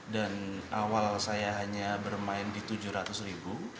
dan awal saya hanya bermain di tujuh ratus ribu